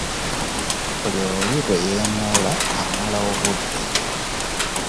Buli oli lwe yeemoola amala obudde.